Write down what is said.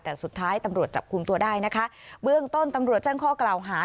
แต่สุดท้ายตำรวจจับคุมตัวได้นะคะเบื้องต้นตำรวจแจ้งข้อกล่าวหา